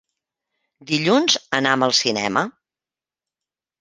Dilluns anam al cinema.